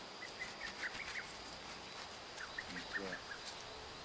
دوه